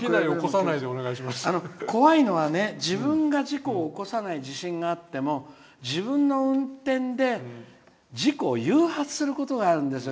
怖いのが自分が事故を起こさない自信があっても自分の運転で事故を誘発することがあるんですよ。